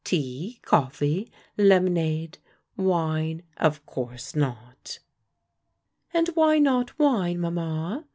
tea, coffee, lemonade, wine? of course not." "And why not wine, mamma?"